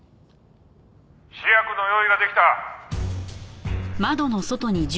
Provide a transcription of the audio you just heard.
「試薬の用意が出来た」